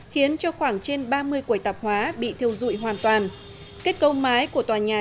khiến cho khoảng trên ba mươi quầy tạp hóa bị thiêu dụi hoàn toàn kết cấu mái của tòa nhà